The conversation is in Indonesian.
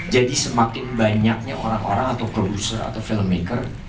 jadi semakin banyaknya orang orang atau produser atau filmmaker